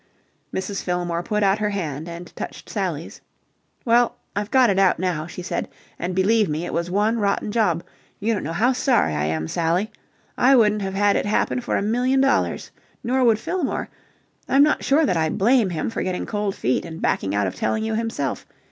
Mrs. Fillmore put out her hand and touched Sally's. "Well, I've got it out now," she said, "and, believe me, it was one rotten job. You don't know how sorry I am. Sally. I wouldn't have had it happen for a million dollars. Nor would Fillmore. I'm not sure that I blame him for getting cold feet and backing out of telling you himself.